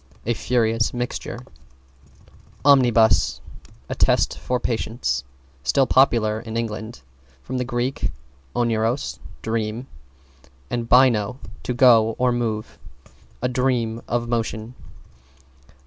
A furious mixture. =OMNIBUS= A test for Patience, still popular in England. From Grk. oneiros, dream, and baino, to go or move. A dream of motion.